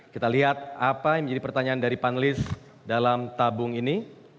kita lihat apa yang menjadi pertanyaan dari panelis dalam tabung ini